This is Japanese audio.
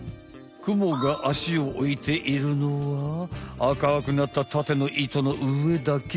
クモがアシをおいているのはあかくなったタテの糸の上だけ。